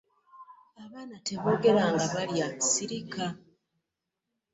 “Abaana teboogera nga balya, sirika.”